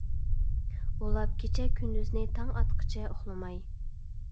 ئۇلاپ كېچە كۈندۈزنى تاڭ ئاتقىچە ئۇخلىماي.